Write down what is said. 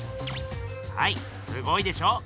はいすごいでしょう？